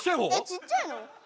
ちっちゃいの？